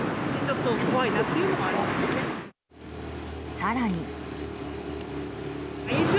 更に。